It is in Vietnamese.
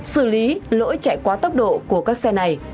xử lý lỗi chạy quá tốc độ của các xe này